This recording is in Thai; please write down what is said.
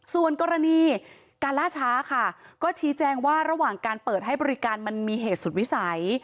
ส่วนกรณีการล่าช้าค่ะก็ชี้แจงว่าระหว่างการเปิดให้บริการมันมีเหตุสุดวิสัย